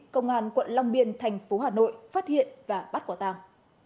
công an quận long biên thành phố hà nội phát hiện và bắt quả tàng